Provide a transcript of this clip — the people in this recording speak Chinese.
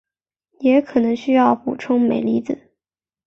也可能需要补充镁离子。